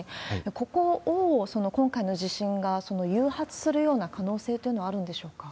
ここを、今回の地震が誘発するような可能性というのはあるんでしょうか？